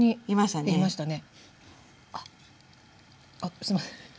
あっすいません。